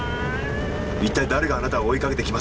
一体誰があなたを追いかけてきます？